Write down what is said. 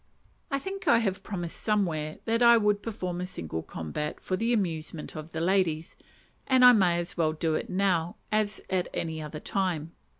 I think I have promised somewhere that I would perform a single combat for the amusement of the ladies, and I may as well do it now as at any other time.